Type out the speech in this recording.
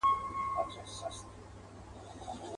ازل مي دي په وینو کي نغمې راته کرلي.